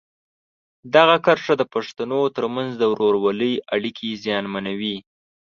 دغه کرښه د پښتنو ترمنځ د ورورولۍ اړیکې زیانمنوي.